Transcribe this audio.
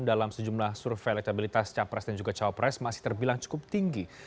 dalam sejumlah survei elektabilitas capres dan juga cawapres masih terbilang cukup tinggi